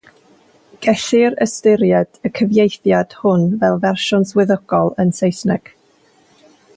Gellir ystyried y cyfieithiad hwn fel y fersiwn "swyddogol" yn Saesneg.